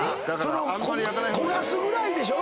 焦がすぐらいでしょ。